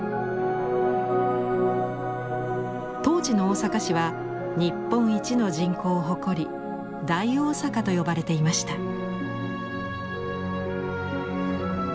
当時の大阪市は日本一の人口を誇り「大大阪」と呼ばれていました。